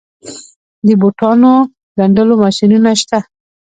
د بوټانو ګنډلو ماشینونه شته